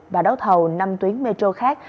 và đấu thầu năm tuyến metro khác